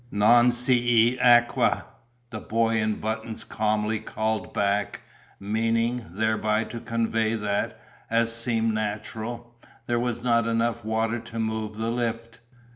"Non c'e acqua!" the boy in buttons calmly called back, meaning thereby to convey that as seemed natural there was not enough water to move the lift.